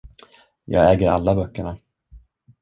Jag äger alla böckerna.